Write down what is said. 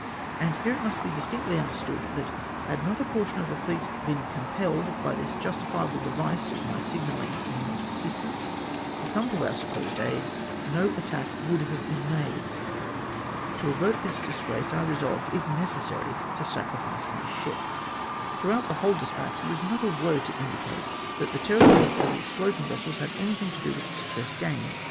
And here it must be distinctly understood, that had not a qjortion of the fleet been comijelled by this justifiable device of my signaling " In ivant of assistance,'' to come to our suij'posed aid, no attach woidd have been made. To avert this dis grace, I resolved, if necessary, to sacrifice my ship. Throughout the whole despatch, there is not a word to indicate that the terror caused by the explosion vessels had anything to do with the success gained.